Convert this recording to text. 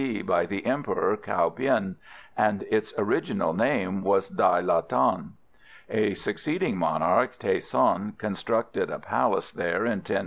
D. by the Emperor Cao bien, and its original name was Dai la Thanh. A succeeding monarch, Thay Son, constructed a palace there in 1028.